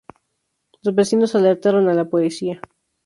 Los vecinos alertaron a la policía.